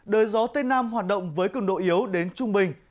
đời gió tây nam hoạt động với cường độ yếu đến trung bình